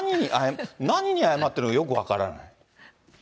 何に謝ってるのかよく分からない。